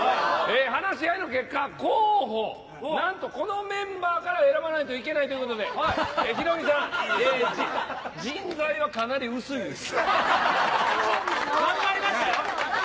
話し合いの結果、候補、なんと、このメンバーから選ばないといけないということで、ヒロミさん、人材はかなり薄いです。